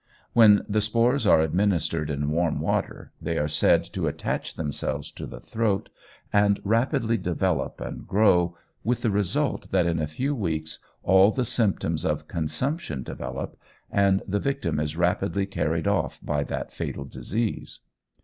When the spores are administered in warm water they are said to attach themselves to the throat and rapidly develop and grow, with the result that in a few weeks, all the symptoms of consumption develop, and the victim is rapidly carried off by that fatal disease.